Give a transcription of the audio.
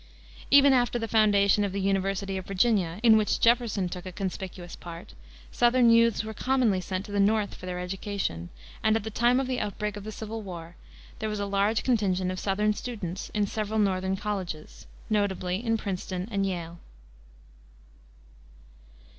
Even after the foundation of the University of Virginia, in which Jefferson took a conspicuous part, southern youths were commonly sent to the North for their education, and at the time of the outbreak of the civil war there was a large contingent of southern students in several northern colleges, notably in Princeton and Yale.